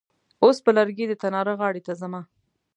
اوس په لرګي د تناره غاړې ته ځمه.